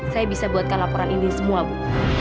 saya bisa buatkan laporan ini semua bu